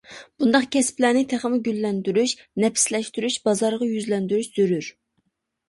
بۇنداق كەسىپلەرنى تېخىمۇ گۈللەندۈرۈش، نەپىسلەشتۈرۈش، بازارغا يۈزلەندۈرۈش زۆرۈر.